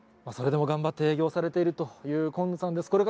それでも頑張って営業されているという紺野さんです。